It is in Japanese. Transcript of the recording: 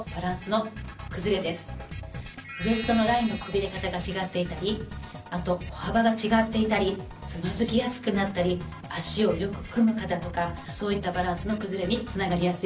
ウエストのラインのくびれ方が違っていたりあと歩幅が違っていたりつまずきやすくなったり脚をよく組む方とかそういったバランスの崩れに繋がりやすいんです。